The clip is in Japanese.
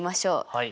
はい。